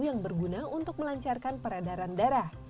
yang berguna untuk melancarkan peredaran darah